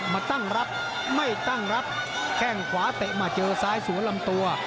มาตั้งรับไม่ตั้งรับแข้งขวาเตะมาเจอซ้ายสวนลำตัว